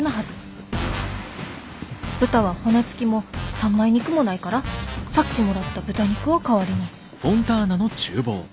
豚は骨付きも三枚肉もないからさっきもらった豚肉を代わりに。